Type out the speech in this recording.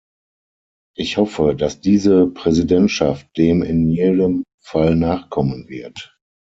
Ich hoffe, dass diese Präsidentschaft dem in jedem Fall nachkommen wird.